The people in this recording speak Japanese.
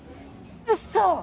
嘘！？